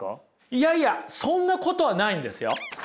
いやいやそんなことはないんですよ。